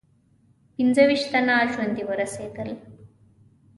پنځه ویشت تنه ژوندي ورسېدل.